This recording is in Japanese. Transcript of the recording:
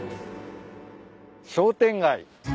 商店街。